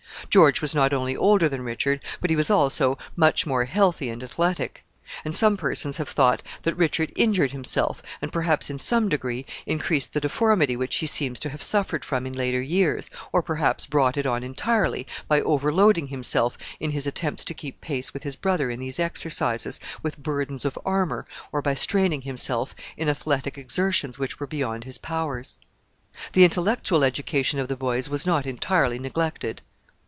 George was not only older than Richard, but he was also much more healthy and athletic; and some persons have thought that Richard injured himself, and perhaps, in some degree, increased the deformity which he seems to have suffered from in later years, or perhaps brought it on entirely, by overloading himself, in his attempts to keep pace with his brother in these exercises, with burdens of armor, or by straining himself in athletic exertions which were beyond his powers. The intellectual education of the boys was not entirely neglected.